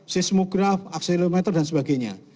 seismograf akselerometer dan sebagainya